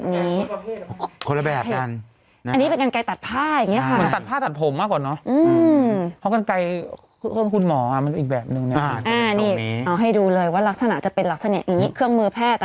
นี่เอาให้ดูเลยว่าลักษณะจะเป็นลักษณะนี้เครื่องมือแพทย์